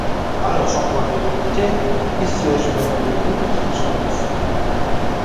À la Chambre des députés, il siège avec le groupe socialiste.